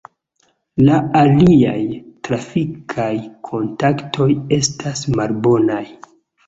La aliaj trafikaj kontaktoj estas malbonaj.